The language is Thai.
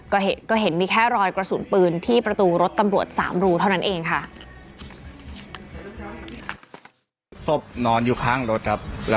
ก็เห็นมีแค่รอยกระสุนปืนที่ประตูรถตำรวจสามรูเท่านั้นเองค่ะ